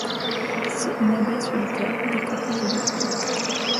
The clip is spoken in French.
C'est une abeille solitaire, découpeuse de feuilles.